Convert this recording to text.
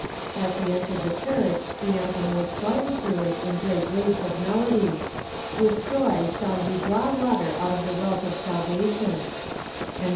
As he entered the church the anthem was swelling through it in great waves of melody :" With joy shall ye draw Avater out of the wells of salvation," And then tl!'.